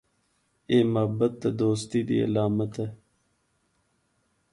اے محبت تے دوستی دی علامت ہے۔